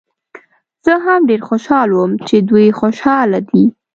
زه هم ډېر خوشحاله وم چې دوی خوشحاله دي.